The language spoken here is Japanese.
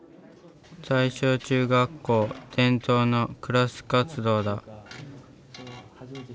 大正中学校伝統のクラス活動だ。